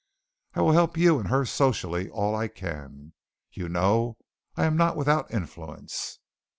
I will help you and her socially all I can. You know I am not without influence."